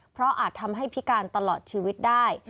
เพราะอาจทำให้พิการตลอดชีวิตได้